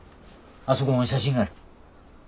あそこん写真がある。